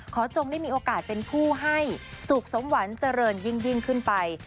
จงได้มีโอกาสเป็นผู้ให้สุขสมหวังเจริญยิ่งขึ้นไป